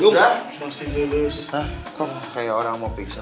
hah kok kayak orang mau pingsan